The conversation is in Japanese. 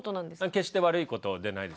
決して悪いことでないですね。